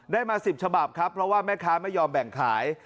มา๑๐ฉบับครับเพราะว่าแม่ค้าไม่ยอมแบ่งขาย